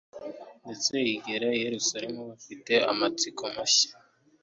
ndetse igera i Yerusalemu. Bafite amatsiko mashya